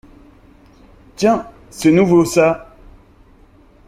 Tiens, c’est nouveau, ça.